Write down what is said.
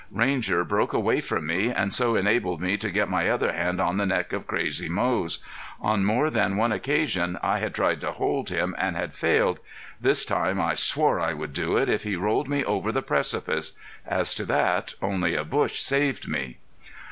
Ranger broke away from me and so enabled me to get my other hand on the neck of crazy Moze. On more than one occasion I had tried to hold him and had failed; this time I swore I would do it if he rolled me over the precipice. As to that, only a bush saved me.